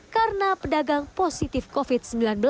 karena pedagang positif covid sembilan belas